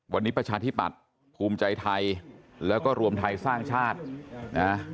วันนี้ประชาธิปัตย์ภูมิใจไทยแล้วก็รวมไทยสร้างชาตินะ